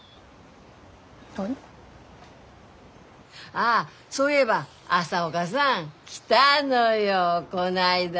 ああそういえば朝岡さん来たのよこないだ。